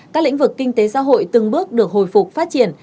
các lĩnh vực kinh tế xã hội từng bước được hồi phục phát triển